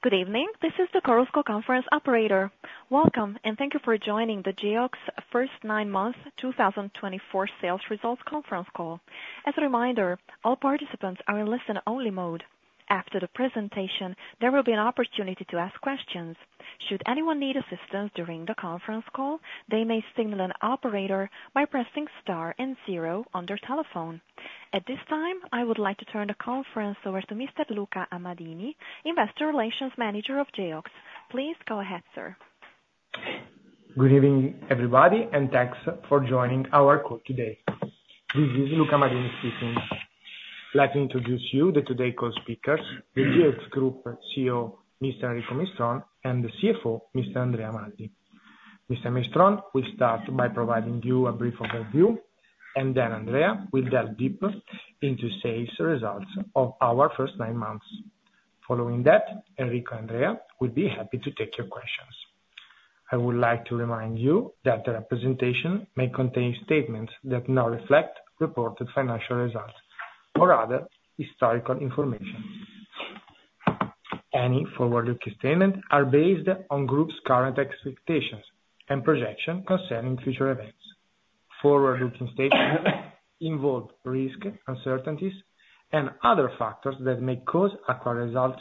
Good evening, this is the Chorus Call Conference Operator. Welcome, and thank you for joining the Geox first nine months 2024 sales results conference call. As a reminder, all participants are in listen-only mode. After the presentation, there will be an opportunity to ask questions. Should anyone need assistance during the conference call, they may signal an operator by pressing star and zero on their telephone. At this time, I would like to turn the conference over to Mr. Luca Amadini, Investor Relations Manager of Geox. Please go ahead, sir. Good evening, everybody, and thanks for joining our call today. This is Luca Amadini speaking. Let me introduce you to today's call speakers, the Geox Group CEO, Mr. Enrico Mistron, and the CFO, Mr. Andrea Maldi. Mr. Mistron will start by providing you a brief overview, and then Andrea will delve deeper into today's results of our first nine months. Following that, Enrico and Andrea will be happy to take your questions. I would like to remind you that the presentation may contain statements that do not reflect reported financial results or other historical information. Any forward-looking statements are based on the group's current expectations and projections concerning future events. Forward-looking statements involve risks, uncertainties, and other factors that may cause our results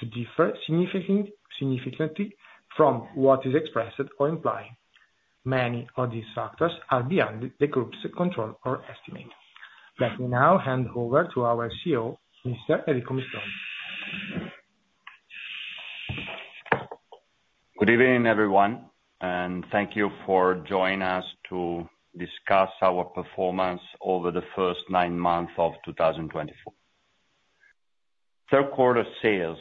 to differ significantly from what is expressed or implied. Many of these factors are beyond the group's control or estimate. Let me now hand over to our CEO, Mr. Enrico Mistron. Good evening, everyone, and thank you for joining us to discuss our performance over the first nine months of 2024. Third-quarter sales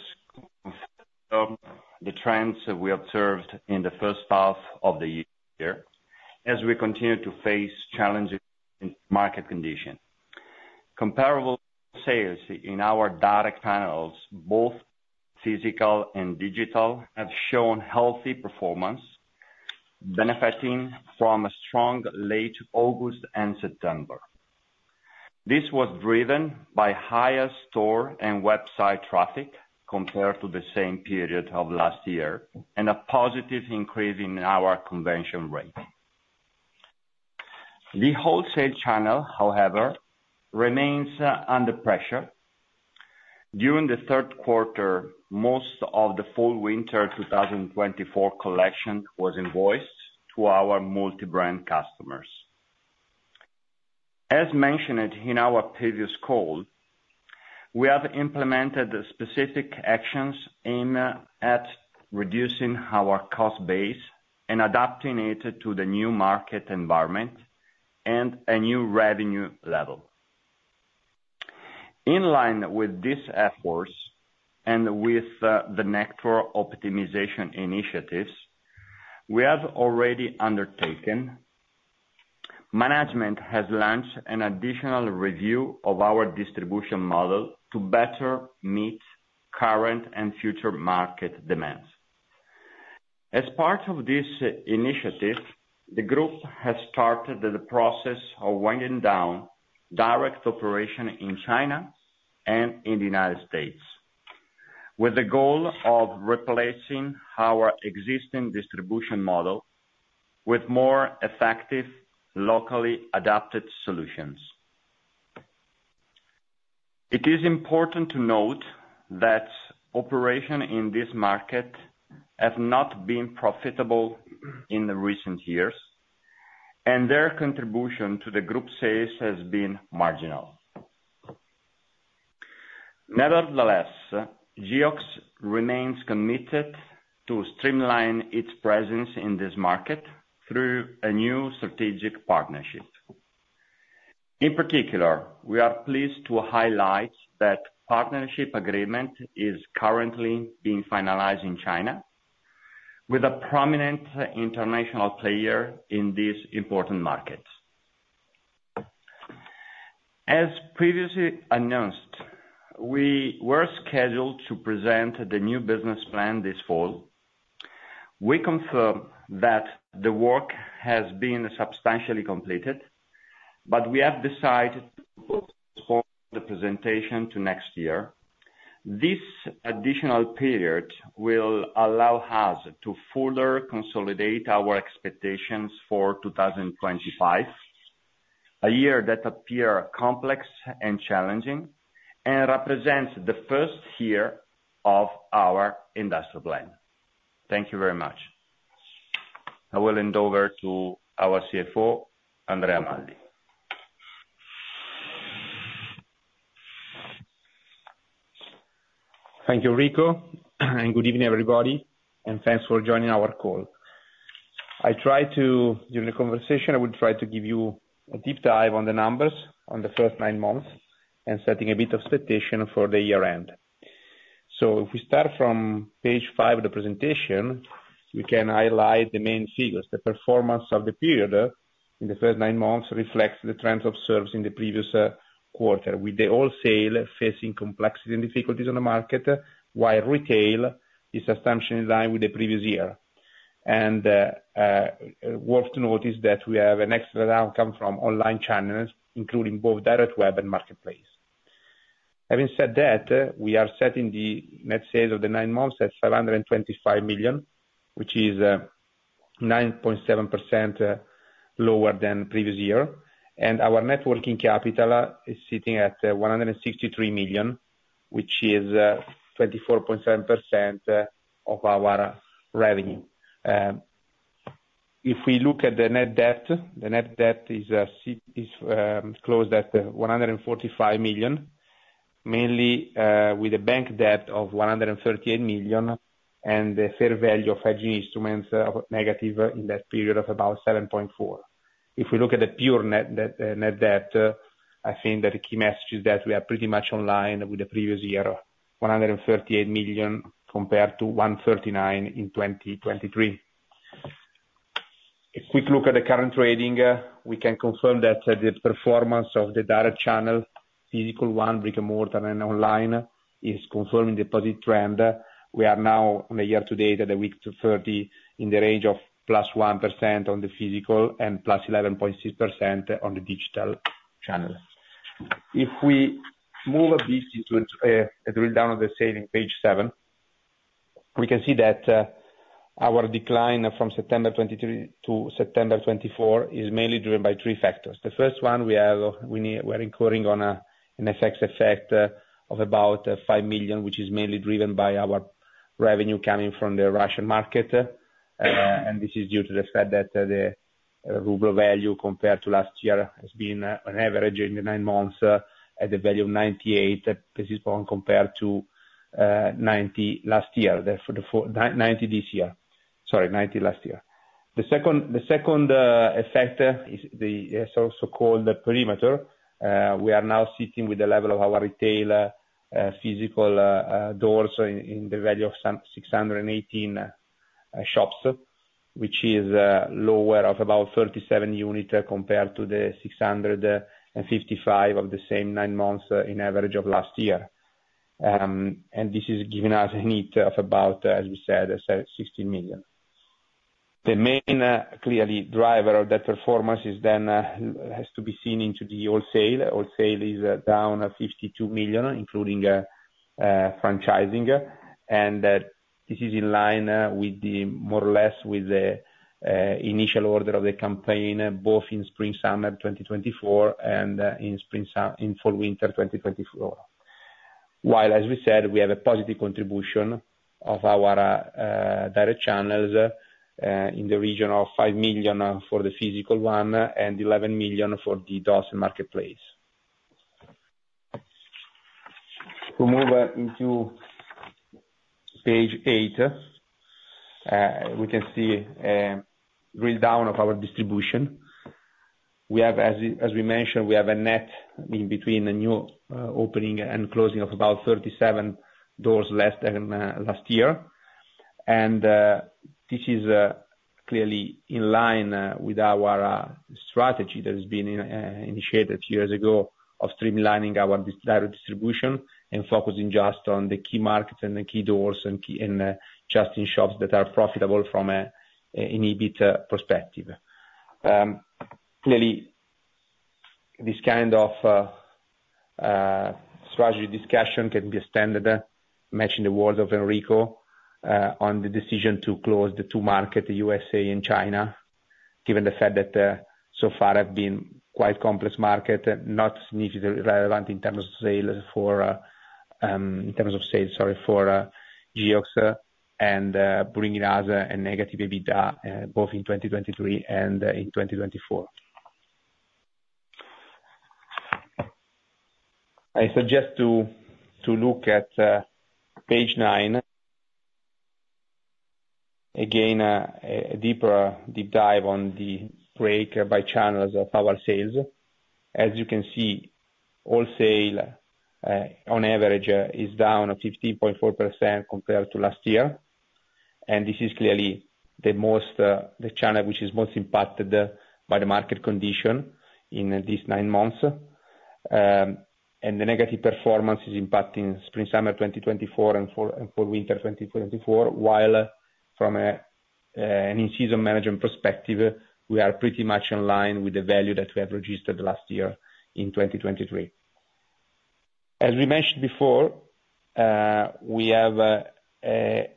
confirmed the trends we observed in the first half of the year as we continue to face challenges in market conditions. Comparable sales in our direct channels, both physical and digital, have shown healthy performance, benefiting from a strong late August and September. This was driven by higher store and website traffic compared to the same period of last year and a positive increase in our conversion rate. The wholesale channel, however, remains under pressure. During the third quarter, most of the Fall/Winter 2024 collection was invoiced to our multi-brand customers. As mentioned in our previous call, we have implemented specific actions aimed at reducing our cost base and adapting it to the new market environment and a new revenue level. In line with these efforts and with the network optimization initiatives we have already undertaken, management has launched an additional review of our distribution model to better meet current and future market demands. As part of this initiative, the group has started the process of winding down direct operations in China and in the United States, with the goal of replacing our existing distribution model with more effective, locally adapted solutions. It is important to note that operations in this market have not been profitable in recent years, and their contribution to the group's sales has been marginal. Nevertheless, Geox remains committed to streamline its presence in this market through a new strategic partnership. In particular, we are pleased to highlight that the partnership agreement is currently being finalized in China with a prominent international player in this important market. As previously announced, we were scheduled to present the new business plan this fall. We confirm that the work has been substantially completed, but we have decided to postpone the presentation to next year. This additional period will allow us to further consolidate our expectations for 2025, a year that appears complex and challenging and represents the first year of our industrial plan. Thank you very much. I will hand over to our CFO, Andrea Maldi. Thank you, Enrico, and good evening, everybody, and thanks for joining our call. I tried to, during the conversation, I would try to give you a deep dive on the numbers on the first nine months and set a bit of expectation for the year-end, so if we start from page five of the presentation, we can highlight the main figures. The performance of the period in the first nine months reflects the trends observed in the previous quarter, with the wholesale facing complexities and difficulties on the market, while retail is essentially in line with the previous year, and worth to note is that we have an excellent outcome from online channels, including both direct web and marketplace. Having said that, we are setting the net sales of the nine months at 525 million, which is 9.7% lower than the previous year, and our net working capital is sitting at 163 million, which is 24.7% of our revenue. If we look at the net debt, the net debt is closed at 145 million, mainly with a bank debt of 138 million and the fair value of hedging instruments negative in that period of about 7.4. If we look at the pure net debt, I think that the key message is that we are pretty much in line with the previous year, 138 million compared to 139 million in 2023. A quick look at the current trading, we can confirm that the performance of the direct channel, physical one, brick-and-mortar, and online is confirming the positive trend. We are now, on a year-to-date, at a week 43 in the range of +1% on the physical and +11.6% on the digital channel. If we move a bit into a drill down of the sale, in page seven, we can see that our decline from September 2023 to September 2024 is mainly driven by three factors. The first one, we are incurring on an FX effect of about 5 million, which is mainly driven by our revenue coming from the Russian market, and this is due to the fact that the ruble value compared to last year has been on average in the nine months at the value of 98 ruble compared to 90 last year, therefore 90 this year, sorry, 90 last year. The second effect is the so-called perimeter. We are now sitting with the level of our retail physical doors in the value of 618 shops, which is lower by about 37 units compared to the 655 of the same nine months on average of last year. This is giving us a net of about, as we said, 16 million. The main clearly driver of that performance is then has to be seen in the wholesale. Wholesale is down 52 million, including franchising, and this is in line, more or less, with the initial order of the campaign, both in Spring/Summer 2024 and in Fall/Winter 2024. While, as we said, we have a positive contribution of our direct channels in the region of 5 million for the physical one and 11 million for the doors and marketplace. If we move to page eight, we can see a drill down of our distribution. We have, as we mentioned, we have a net in between a new opening and closing of about 37 doors less than last year, and this is clearly in line with our strategy that has been initiated years ago of streamlining our direct distribution and focusing just on the key markets and the key doors and just in shops that are profitable from an EBIT perspective. Clearly, this kind of strategy discussion can't be a better match in the words of Enrico on the decision to close the two markets, the USA and China, given the fact that so far have been quite complex markets, not significantly relevant in terms of sales for, in terms of sales, sorry, for Geox and bringing us a negative EBITDA both in 2023 and in 2024. I suggest to look at page nine, again, a deeper deep dive on the break by channels of our sales. As you can see, wholesale on average is down 15.4% compared to last year, and this is clearly the most, the channel which is most impacted by the market condition in these nine months, and the negative performance is impacting Spring/Summer 2024 and Fall/Winter 2024, while from an in-season management perspective, we are pretty much in line with the value that we have registered last year in 2023. As we mentioned before, we have an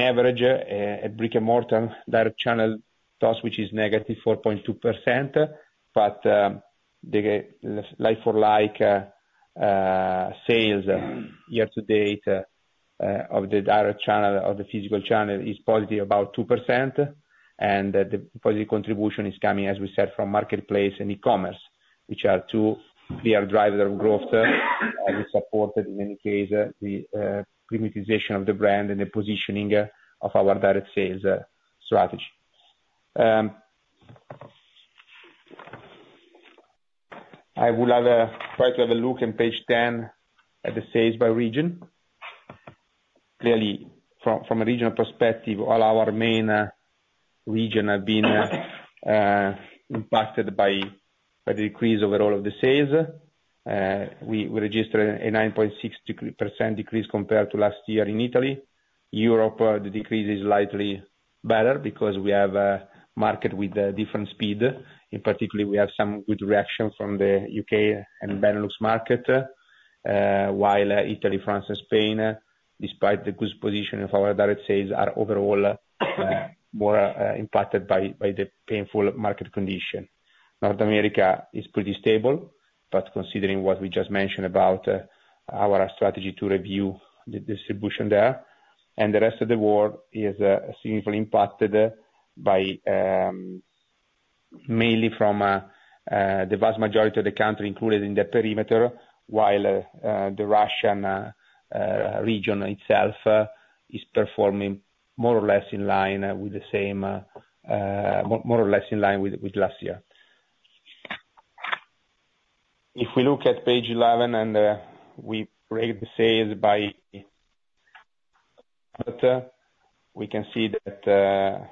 average at brick-and-mortar direct channel cost, which is -4.2%, but the like-for-like sales year-to-date of the direct channel or the physical channel is positive about 2%, and the positive contribution is coming, as we said, from marketplace and e-commerce, which are two clear drivers of growth that supported, in many cases, the premiumization of the brand and the positioning of our direct sales strategy. I would like to try to have a look on page 10 at the sales by region. Clearly, from a regional perspective, all our main regions have been impacted by the decrease overall of the sales. We registered a 9.6% decrease compared to last year in Italy. Europe, the decrease is slightly better because we have a market with different speed. In particular, we have some good reaction from the U.K. and Benelux market, while Italy, France, and Spain, despite the good position of our direct sales, are overall more impacted by the painful market condition. North America is pretty stable, but considering what we just mentioned about our strategy to review the distribution there, and the Rest of the World is significantly impacted by mainly from the vast majority of the country included in the perimeter, while the Russian region itself is performing more or less in line with the same, more or less in line with last year. If we look at page 11 and we break the sales by, we can see that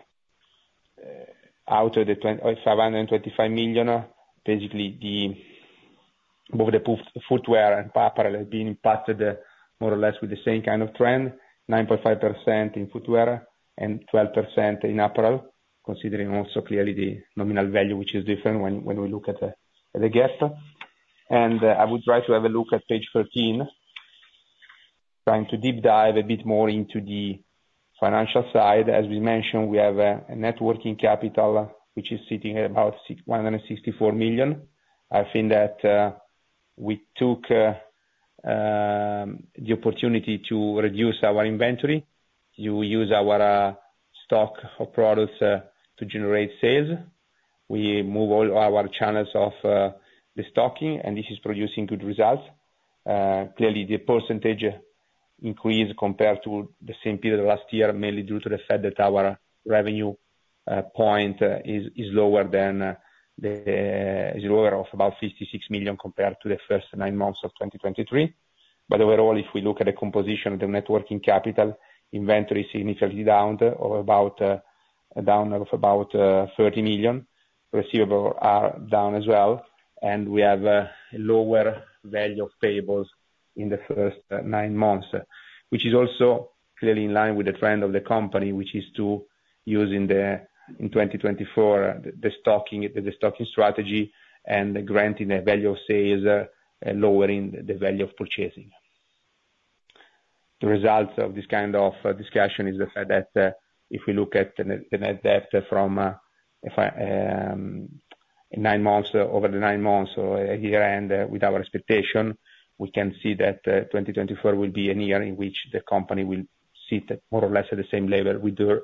out of the 525 million, basically both the footwear and apparel have been impacted more or less with the same kind of trend, 9.5% in footwear and 12% in apparel, considering also clearly the nominal value, which is different when we look at the gap. And I would like to have a look at page 13, trying to deep dive a bit more into the financial side. As we mentioned, we have a net working capital which is sitting at about 164 million. I think that we took the opportunity to reduce our inventory, to use our stock of products to generate sales. We moved all our channels of the stocking, and this is producing good results. Clearly, the percentage increase compared to the same period last year is mainly due to the fact that our revenue point is lower of about 56 million compared to the first nine months of 2023. But overall, if we look at the composition of the net working capital, inventory is significantly down of about 30 million. Receivables are down as well, and we have a lower value of payables in the first nine months, which is also clearly in line with the trend of the company, which is to use in the, in 2024, the stocking strategy and granting a value of sales, lowering the value of purchasing. The result of this kind of discussion is the fact that if we look at the net debt from nine months, over the nine months or a year-end with our expectation, we can see that 2024 will be a year in which the company will sit more or less at the same level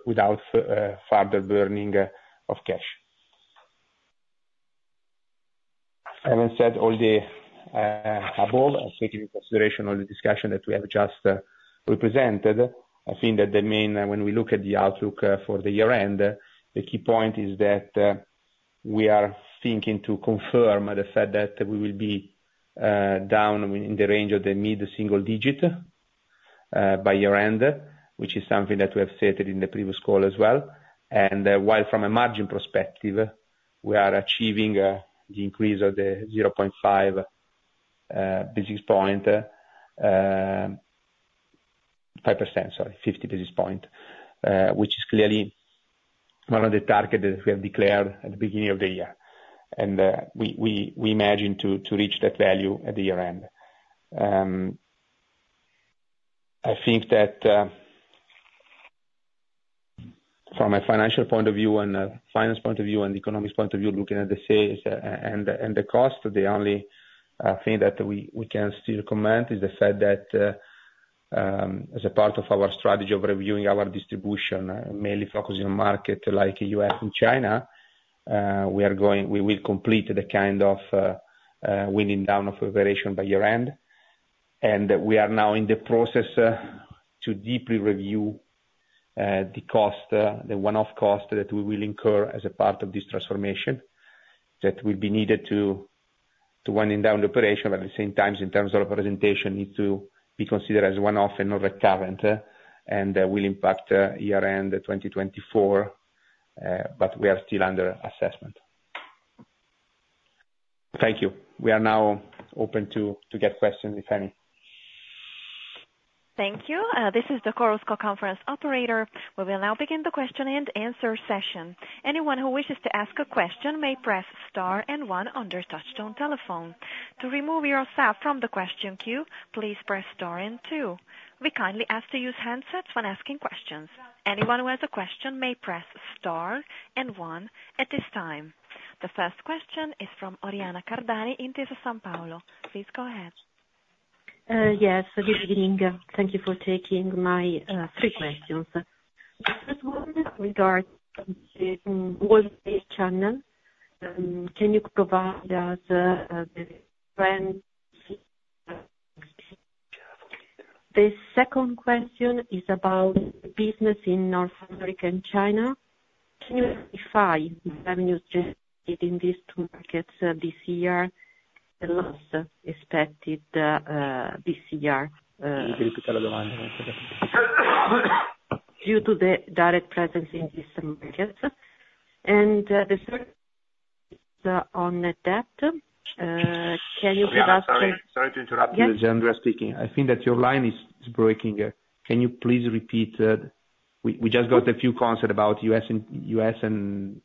without further burning of cash. Having said all the above, taking into consideration all the discussion that we have just presented, I think that the main, when we look at the outlook for the year-end, the key point is that we are thinking to confirm the fact that we will be down in the range of the mid-single digit by year-end, which is something that we have stated in the previous call as well. While from a margin perspective, we are achieving the increase of the 0.5 basis point, 5%, sorry, 50 basis point, which is clearly one of the targets that we have declared at the beginning of the year, and we imagine to reach that value at the year-end. I think that from a financial point of view and a finance point of view and economic point of view, looking at the sales and the cost, the only thing that we can still comment is the fact that as a part of our strategy of reviewing our distribution, mainly focusing on markets like the U.S. and China, we are going, we will complete the kind of winding down of operation by year-end, and we are now in the process to deeply review the cost, the one-off cost that we will incur as a part of this transformation that will be needed to wind down the operation, but at the same time, in terms of representation, needs to be considered as one-off and not recurrent, and will impact year-end 2024, but we are still under assessment. Thank you. We are now open to get questions, if any. Thank you. This is the Chorus Call Conference Operator. We will now begin the question and answer session. Anyone who wishes to ask a question may press star and one on their touchtone telephone. To remove yourself from the question queue, please press star and two. We kindly ask to use handsets when asking questions. Anyone who has a question may press star and one at this time. The first question is from Oriana Cardani in Intesa Sanpaolo. Please go ahead. Yes, good evening. Thank you for taking my three questions. The first one regards to wholesale channel? Can you provide us. The second question is about business in North America and China. Can you identify revenues generated in these two markets this year? The loss expected this year due to the direct presence in these two markets. And the third is on debt. Can you give us. Sorry to interrupt you, Andrea speaking. I think that your line is breaking. Can you please repeat? We just got a few comments about U.S. and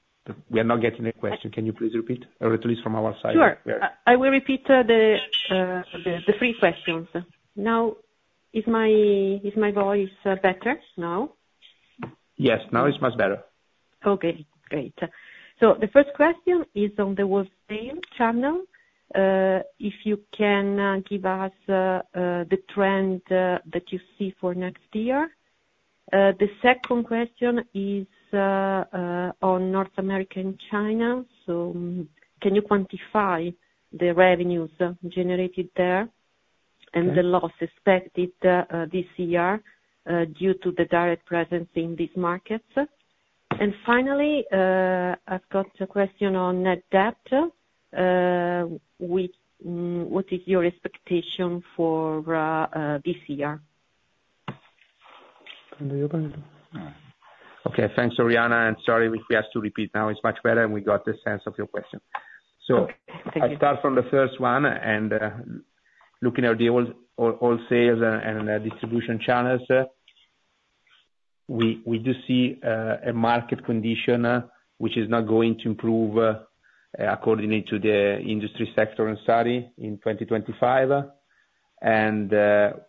we are not getting the question. Can you please repeat? Or at least from our side. Sure. I will repeat the three questions. Now, is my voice better now? Yes, now it's much better. Okay, great. So the first question is on the wholesale channel. If you can give us the trend that you see for next year. The second question is on North America and China. So can you quantify the revenues generated there and the loss expected this year due to the direct presence in these markets? And finally, I've got a question on net debt. What is your expectation for this year? Okay, thanks, Oriana. And sorry, we have to repeat now. It's much better, and we got the sense of your question, so I'll start from the first one, and looking at the overall wholesale and distribution channels, we do see a market condition which is not going to improve according to the industry sector and studies in 2025, and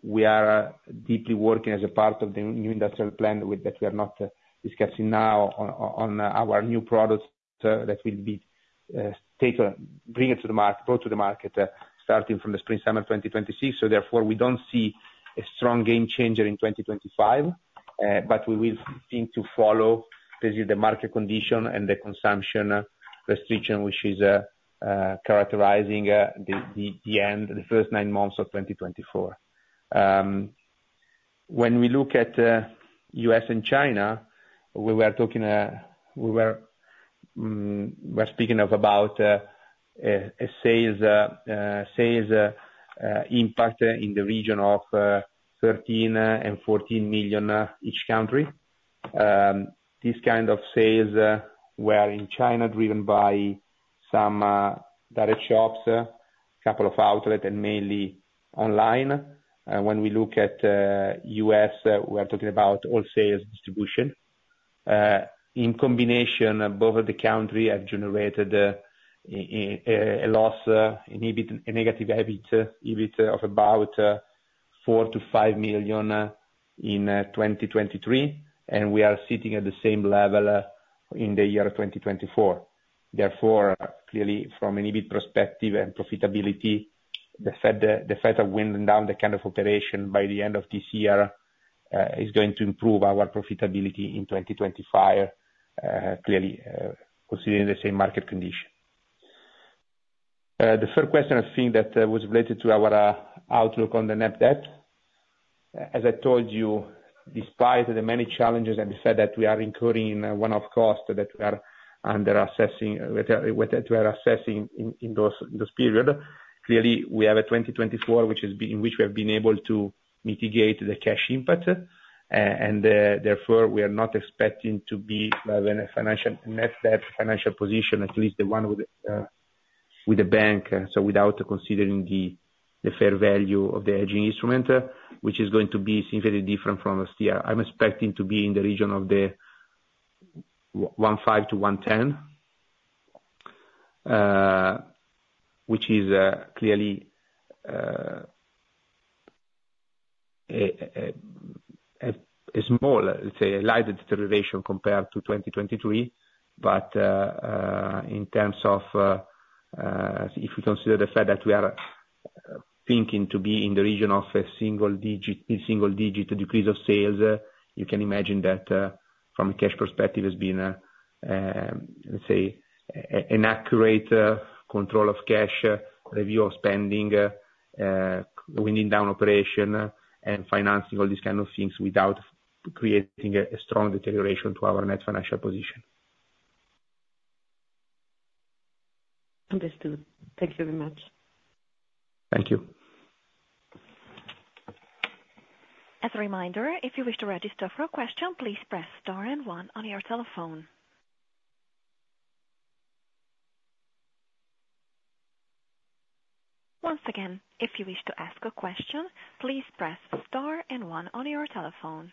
we are deeply working as a part of the new industrial plan that we are not discussing now on our new products that will be brought to the market starting from the Spring/Summer 2026, so therefore, we don't see a strong game changer in 2025, but we will think to follow basically the market condition and the consumption restriction which is characterizing the end, the first nine months of 2024. When we look at U.S. and China, we were talking, we were speaking of about a sales impact in the region of 13 million and 14 million each country. This kind of sales were in China driven by some direct shops, a couple of outlets, and mainly online. When we look at U.S., we are talking about wholesale distribution. In combination, both of the countries have generated a loss, a negative EBIT of about 4 million-5 million in 2023, and we are sitting at the same level in the year 2024. Therefore, clearly, from an EBIT perspective and profitability, the fact of winding down the kind of operation by the end of this year is going to improve our profitability in 2025, clearly considering the same market condition. The third question, I think, that was related to our outlook on the net debt. As I told you, despite the many challenges and the fact that we are incurring one-off costs that we are underestimating, that we are assessing in this period, clearly, we have a 2024 in which we have been able to mitigate the cash impact, and therefore, we are not expecting to be in a net financial debt position, at least the one with the bank, so without considering the fair value of the hedging instrument, which is going to be significantly different from last year. I'm expecting to be in the region of 115 to 110, which is clearly a small, let's say, a slight deterioration compared to 2023. But in terms of if we consider the fact that we are thinking to be in the region of a single digit, mid-single digit decrease of sales, you can imagine that from a cash perspective, it has been, let's say, an accurate control of cash, review of spending, winding down operation, and financing all these kinds of things without creating a strong deterioration to our net financial position. Understood. Thank you very much. Thank you. As a reminder, if you wish to register for a question, please press star and one on your telephone. Once again, if you wish to ask a question, please press star and one on your telephone.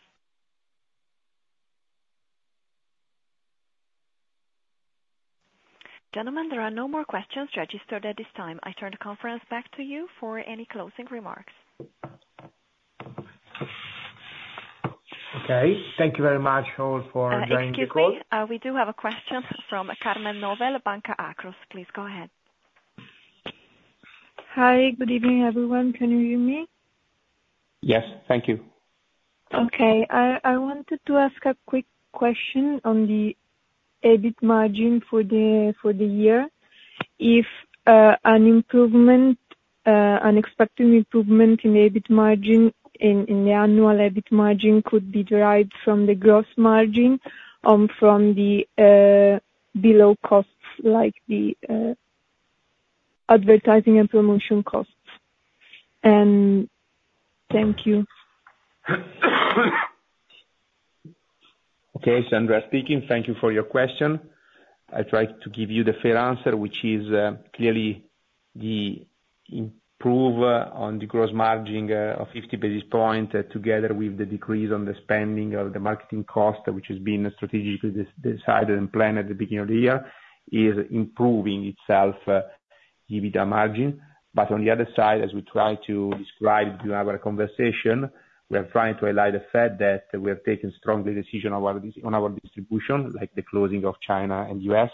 Gentlemen, there are no more questions registered at this time. I turn the conference back to you for any closing remarks. Okay. Thank you very much, all, for joining the call. Thank you. We do have a question from Carmen Novel, Banca Akros. Please go ahead. Hi, good evening, everyone. Can you hear me? Yes, thank you. Okay. I wanted to ask a quick question on the EBIT margin for the year. If an improvement, an expected improvement in the EBIT margin, in the annual EBIT margin could be derived from the gross margin from the below costs, like the advertising and promotion costs. And thank you. Okay, Andrea speaking. Thank you for your question. I tried to give you the fair answer, which is clearly the improve on the gross margin of 50 basis points together with the decrease on the spending of the marketing cost, which has been strategically decided and planned at the beginning of the year, is improving itself, EBITDA margin. But on the other side, as we try to describe during our conversation, we are trying to highlight the fact that we have taken strongly a decision on our distribution, like the closing of China and U.S.,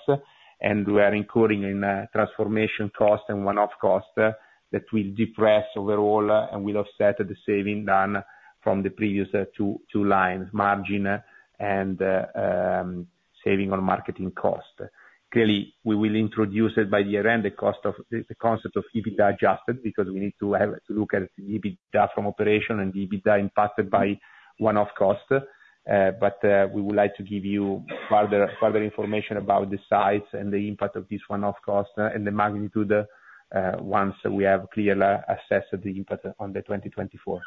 and we are incurring in transformation cost and one-off cost that will depress overall and will offset the saving done from the previous two lines, margin and saving on marketing cost. Clearly, we will introduce it by year-end, the concept of adjusted EBITDA because we need to look at the EBITDA from operation and the EBITDA impacted by one-off cost. But we would like to give you further information about the size and the impact of this one-off cost and the magnitude once we have clearly assessed the impact on the 2024.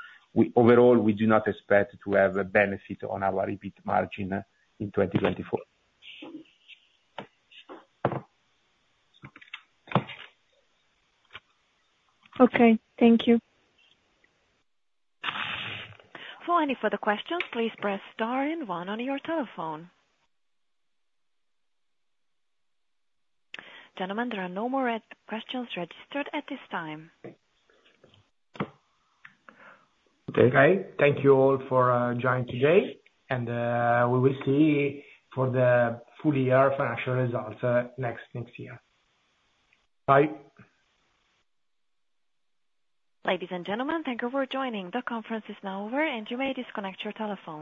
Overall, we do not expect to have a benefit on our EBIT margin in 2024. Okay, thank you. For any further questions, please press star and one on your telephone. Gentlemen, there are no more questions registered at this time. Okay. Thank you all for joining today, and we will see for the full year financial results next year. Bye. Ladies and gentlemen, thank you for joining. The conference is now over, and you may disconnect your telephone.